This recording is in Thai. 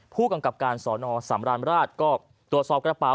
ผู้กำกับการสอนอสำราญราชก็ตรวจสอบกระเป๋า